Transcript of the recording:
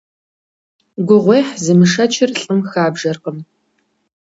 Гугъуехь зымышэчыр лӀым хабжэркъым.